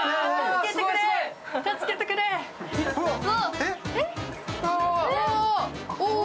助けてくれー。